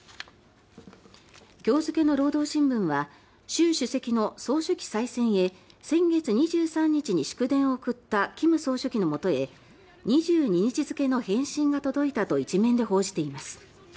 今日付の労働新聞は習主席の総書記再選へ先月２３日に祝電を送った金総書記のもとへ２２日付の返信が届いたと１面で報じています。